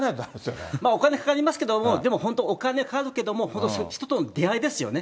お金はかかりますけれども、でも本当、お金かかるけれども、人との出会いですよね。